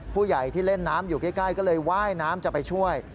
ผู้ใหญ่ที่เล่นน้ำอยู่ใกล้ก็เลยว่ายน้ำจะไปช่วย